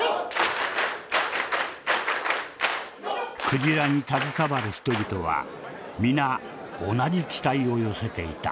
クジラに携わる人々は皆同じ期待を寄せていた。